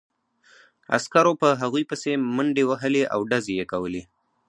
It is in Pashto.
عسکرو په هغوی پسې منډې وهلې او ډزې یې کولې